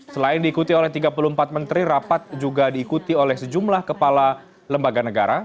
selain diikuti oleh tiga puluh empat menteri rapat juga diikuti oleh sejumlah kepala lembaga negara